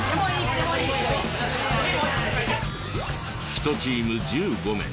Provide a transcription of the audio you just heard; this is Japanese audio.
１チーム１５名。